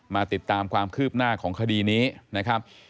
มาติดตามความคืบหน้าของคดีนี้นะครับ